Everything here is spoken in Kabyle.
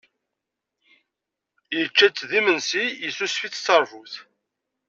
Yečča-tt d imensi, yessusef-itt d tarbut.